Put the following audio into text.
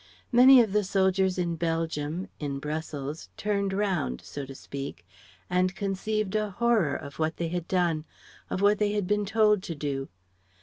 Many of the soldiers in Belgium, in Brussels, turned round so to speak and conceived a horror of what they had done, of what they had been told to do.